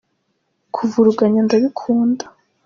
kuvuruganya ndabikunda.